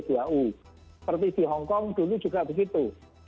seperti di hongkong dulu juga begitu